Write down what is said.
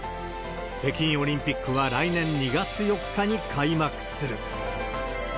北京オリンピックは来年２月４日に開幕する。